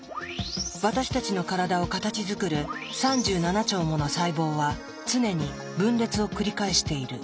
私たちの体を形づくる３７兆もの細胞は常に分裂を繰り返している。